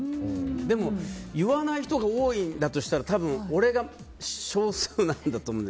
でも言わない人が多いんだとしたら多分俺が少数なんだと思う。